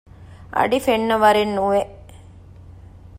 އަޑި ފެންނަވަރެއް ނުވެ